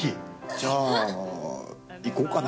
じゃあ行こうかな。